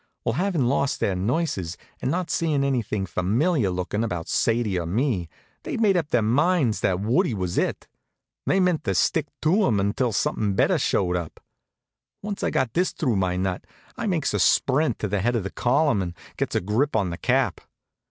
Well, havin' lost their nurses, and not seein' anything familiar lookin' about Sadie or me, they'd made up their minds that Woodie was it. They meant to stick to him until something better showed up. Once I got this through my nut, I makes a sprint to the head of the column and gets a grip on the Cap.